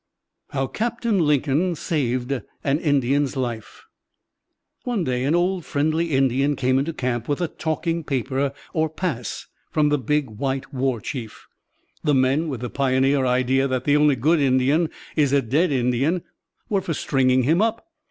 HOW CAPTAIN LINCOLN SAVED AN INDIAN'S LIFE One day an old "friendly Indian" came into camp with a "talking paper" or pass from the "big white war chief." The men, with the pioneer idea that "the only good Indian is a dead Indian," were for stringing him up.